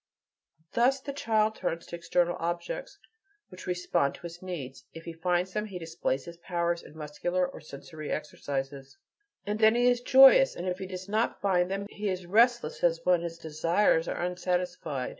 Thus the child turns to external objects which respond to his needs: if he finds them, he displays his powers in muscular or sensory exercises, and then he is joyous; and if he does not find them, he is restless as when his desires are unsatisfied.